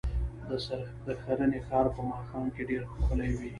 د ښرنې ښار په ماښام کې ډېر ښکلی وي.